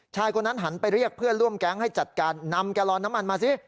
คนนั้นหันไปเรียกเพื่อนร่วมแก๊งให้จัดการนำแกลลอนน้ำมันมาสิ